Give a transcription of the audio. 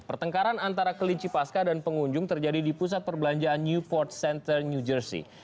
pertengkaran antara kelinci pasca dan pengunjung terjadi di pusat perbelanjaan newport center new jersey